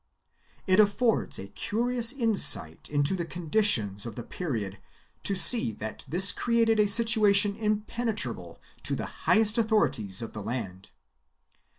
It affords a curious insight into the conditions of the period to see that this created a situation impenetrable to the highest authorities of the land.